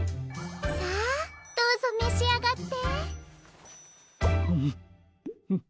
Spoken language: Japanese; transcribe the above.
さあどうぞめしあがって。